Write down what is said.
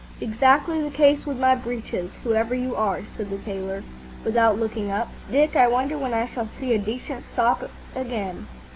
"Exactly the case with my breeches, whoever you are," said the tailor, without looking up. "Dick, I wonder when I shall see a decent shop again."